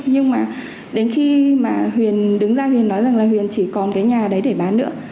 nhưng mà đến khi mà huỳnh đứng ra huỳnh nói rằng là huỳnh chỉ còn cái nhà đấy để bán nữa